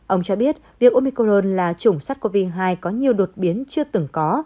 ông cho biết việc omicron là chủng sắc covid hai có nhiều đột biến chưa từng có